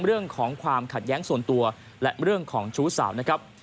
เรื่องของความขัดแย้งส่วนตัวและเรื่องของชู้สาวนะครับ